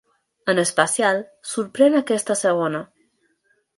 En especial, sorprèn aquesta segona.